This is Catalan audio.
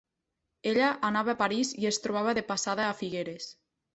Ella anava a París i es trobava de passada a Figueres.